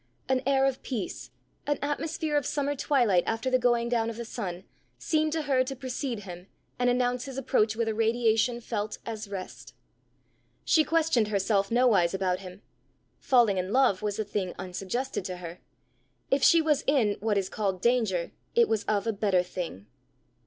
An air of peace, an atmosphere of summer twilight after the going down of the sun, seemed to her to precede him and announce his approach with a radiation felt as rest. She questioned herself nowise about him. Falling in love was a thing unsuggested to her; if she was in what is called danger, it was of a better thing.